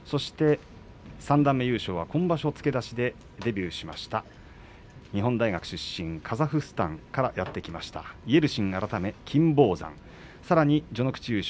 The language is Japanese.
三段目優勝は今場所付け出しでデビューしました日本大学出身カザフスタンからやって来ましたイェルシン改めて金峰山さらに序ノ口優勝